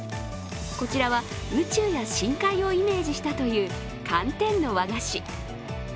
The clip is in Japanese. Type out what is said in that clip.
こちらは宇宙や深海をイメージしたという寒天の和菓子。